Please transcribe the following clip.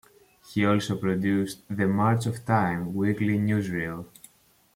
He also produced "The March of Time" weekly newsreel.